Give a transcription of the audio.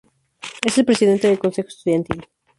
Es el presidente del consejo estudiantil.